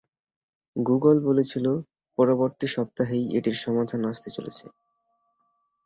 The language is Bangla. গুগল বলেছিল পরবর্তী সপ্তাহেই এটির সমাধান আসতে চলেছে।